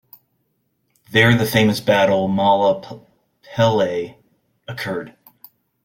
There the famous battle "Mala Pelea" occurred.